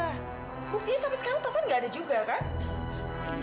tante buktinya sampai sekarang taufan enggak ada juga kan